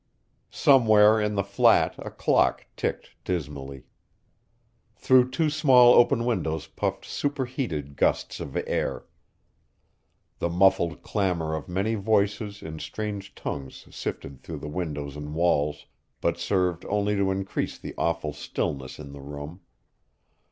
Somewhere in the flat a clock ticked dismally. Through two small open windows puffed superheated gusts of air. The muffled clamor of many voices in strange tongues sifted through the windows and walls, but served only to increase the awful stillness in the room.